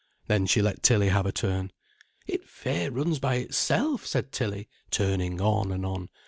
Then she let Tilly have a turn. "It fair runs by itself," said Tilly, turning on and on.